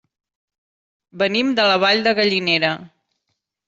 Venim de la Vall de Gallinera.